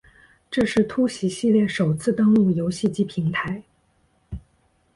这是突袭系列首次登陆游戏机平台。